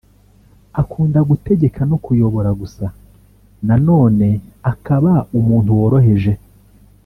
akunda gutegeka no kuyobora gusa nanone akaba umuntu woroheje